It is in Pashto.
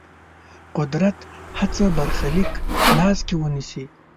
قدرت هڅه برخلیک لاس کې ونیسي.